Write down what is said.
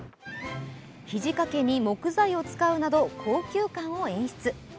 ひじ掛けに木材を使うなど高級感を演出。